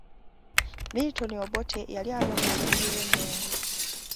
Milton Obote yali alumbye olubiri lw'e Mmengo.